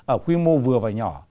ở quy mô vừa và nhỏ